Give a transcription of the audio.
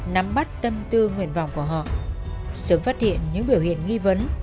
nắm bắt tâm tư nguyện vọng của họ sớm phát hiện những biểu hiện nghi vấn